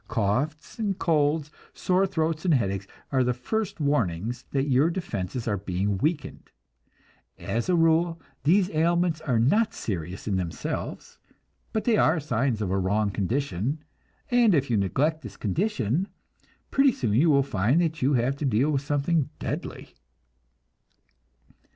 Coughs and colds, sore throats and headaches, are the first warnings that your defenses are being weakened. As a rule these ailments are not serious in themselves, but they are signs of a wrong condition, and if you neglect this condition, pretty soon you will find that you have to deal with something deadly.